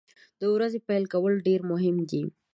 د ورځې پیل کول ډیر مهم دي.